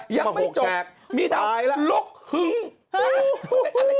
ยังไม่จบมีเดาละละละละ